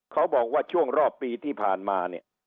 เขาบอกว่าช่วงรอบปีที่ผ่านมาเนี่ย